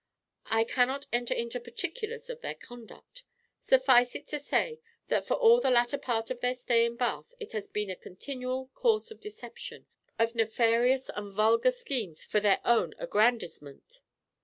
I cannot enter into particulars of their conduct; suffice it to say that for all the latter part of their stay in Bath it has been a continual course of deception, of nefarious and vulgar schemes for their own aggrandizement.